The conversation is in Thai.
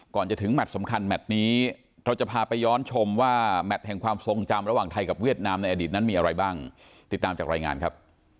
ก่อนจะถึงแมทสำคัญแมทนี้เราจะพาไปย้อนชมว่าแมทแห่งความทรงจำระหว่างไทยกับเวียดนามในอดีตนั้นมีอะไรบ้างติดตามจากรายงานครับ